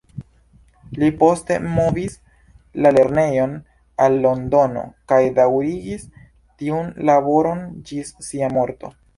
Li poste movis la lernejon al Londono kaj daŭrigis tiun laboron ĝis sia morto.